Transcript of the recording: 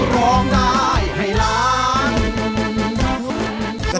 ร้องได้ให้ล้าน